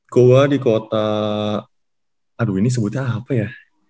goa di kota aduh ini sebutnya apa ya